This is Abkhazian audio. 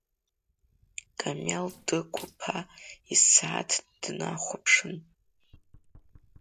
Камел Дыгә-иԥа исааҭ днахәаԥшын…